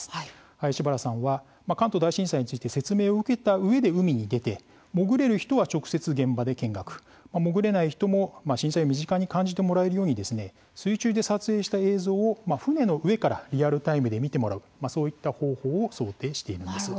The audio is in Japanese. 林原さんは関東大震災について説明を受けたうえで海に出て潜れる人は直接現場で見学潜れない人も震災を身近に感じてもらえるように水中で撮影した映像を船の上からリアルタイムで見てもらうそういった方法を想定しているんです。